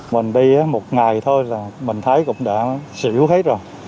mình đi một ngày thôi là mình thấy cũng đã xử hết rồi